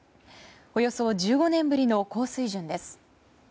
およそ１５年ぶりの高水準です。